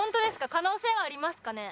可能性はありますかね？